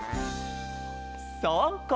そうこれ！